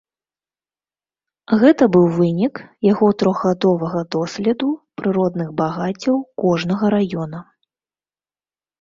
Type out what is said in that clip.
Гэта быў вынік яго трохгадовага доследу прыродных багаццяў кожнага раёна.